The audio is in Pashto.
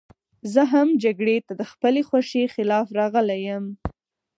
زه هم جګړې ته د خپلې خوښې خلاف راغلی یم